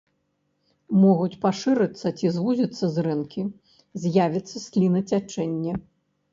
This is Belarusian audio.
Могуць пашырыцца ці звузіцца зрэнкі, з'явіцца слінацячэнне.